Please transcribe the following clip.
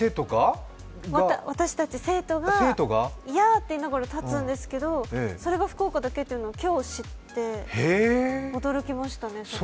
私たち生徒がヤーって言いながら立つんですけど、それが福岡だけっていうのを今日知って、驚きましたね。